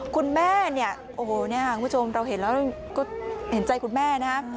คุณแม่เนี่ยโอ้โหเนี่ยคุณผู้ชมเราเห็นแล้วก็เห็นใจคุณแม่นะฮะ